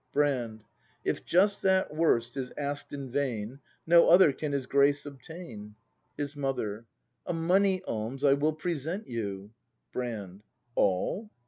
Brand. If just that worst is asked in vain. No other can His grace obtain. His Mother. A money alms I will present you! Brand. All?